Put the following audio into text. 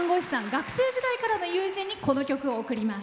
学生時代からの友人にこの曲を贈ります。